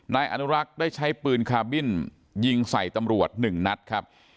นายอนุรักษ์ได้ใช้ปืนคาบินยิงใส่ตำรวจ๑นัดครับ